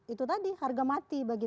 itu tadi harga mati bagi